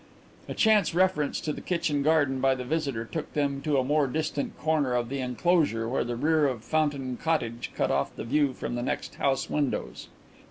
A chance reference to the kitchen garden by the visitor took them to a more distant corner of the enclosure where the rear of Fountain Cottage cut off the view from the next house windows.